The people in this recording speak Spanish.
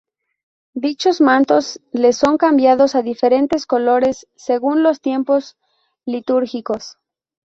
Dichos mantos les son cambiados a diferentes colores según los tiempos litúrgicos.